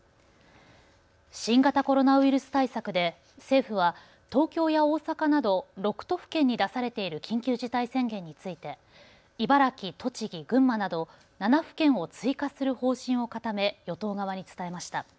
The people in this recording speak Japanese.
新型コロナウイルス対策で政府は東京や大阪など６都府県に出されている緊急事態宣言について茨城、栃木、群馬など７府県を追加する方針を固め与党側に伝えました。